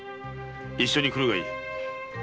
一緒に来るがいい。